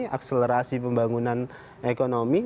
akselerasi pembangunan ekonomi